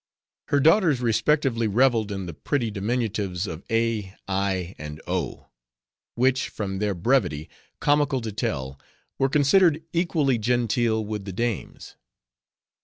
Her daughters respectively reveled in the pretty diminutives of A, I, and O; which, from their brevity, comical to tell, were considered equally genteel with the dame's.